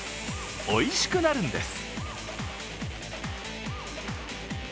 おいしくなるんです。